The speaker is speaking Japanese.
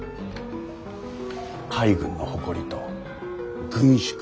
海軍の誇りと軍縮